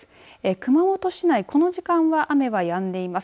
熊本市内この時間は雨はやんでます。